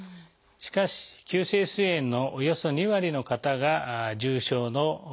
しかし急性すい炎のおよそ２割の方が重症の方です。